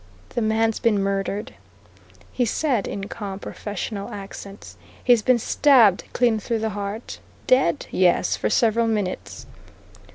"The man's been murdered!" he said in calm, professional accents. "He's been stabbed clean through the heart. Dead? Yes, for several minutes."